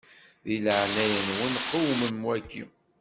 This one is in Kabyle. Di leɛnaya-nwen qewmem waki.